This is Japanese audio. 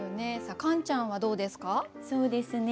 カンちゃんはどうですか？